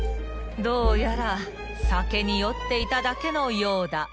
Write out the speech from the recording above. ［どうやら酒に酔っていただけのようだ］